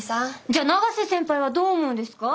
じゃあ永瀬先輩はどう思うんですか？